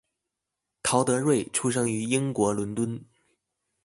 陶德瑞出生于英国伦敦。